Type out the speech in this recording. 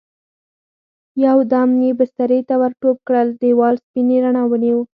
يو دم يې بسترې ته ور ټوپ کړل، دېوال سپينې رڼا ونيو.